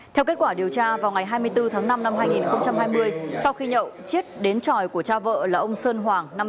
theo kết quả điều tra vào ngày hai mươi bốn tháng năm năm hai nghìn hai mươi sau khi nhậu chiết đến tròi của cha vợ là ông sơn hoàng năm mươi